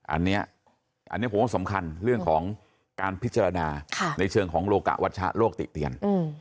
อันนี้ผมว่าสำคัญเรื่องของการพิจารณาในเชิงของโลกะวัชชะโลกติเตียน